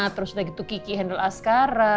terus udah gitu kiki handle askara